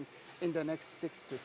dalam enam hingga tujuh tahun